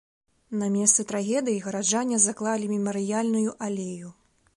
На месцы трагедыі гараджане заклалі мемарыяльную алею.